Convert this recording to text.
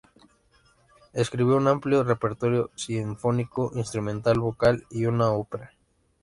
Escribió un amplio repertorio sinfónico, instrumental, vocal y una ópera.